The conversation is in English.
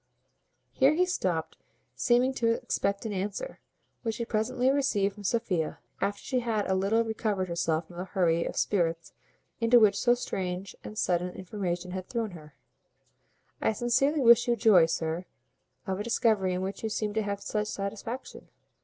Here he stopped, seeming to expect an answer, which he presently received from Sophia, after she had a little recovered herself from the hurry of spirits into which so strange and sudden information had thrown her: "I sincerely wish you joy, sir, of a discovery in which you seem to have such satisfaction.